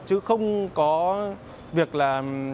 chứ không có việc là